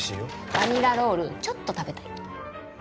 バニラロールちょっと食べたい。